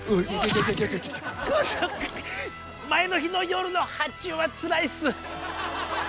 前の日の夜の発注はつらいっす。